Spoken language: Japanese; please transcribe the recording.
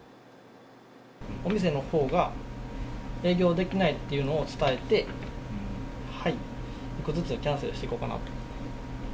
お店のほうが営業できないっていうのを伝えて、一個ずつキャンセルしていこうかなと。